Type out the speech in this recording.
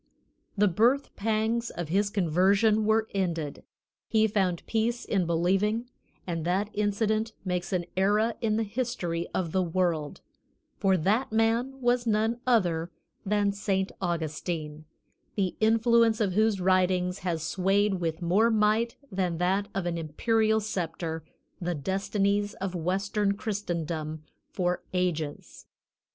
The birth pangs of his conversion were ended; he found peace in believing; and that incident makes an era in the history of the world, for that man was none other than Saint Augustine, the influence of whose writings has swayed with more might than that of an imperial sceptre the destinies of western Christendom for ages.